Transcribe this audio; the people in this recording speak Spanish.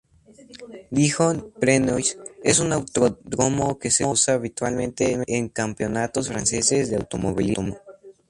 Dijon-Prenois es un autódromo que se usa habitualmente en campeonatos franceses de automovilismo.